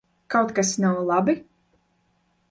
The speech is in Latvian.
Kaut kas nav labi?